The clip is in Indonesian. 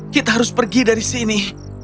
kita harus pergi dari sini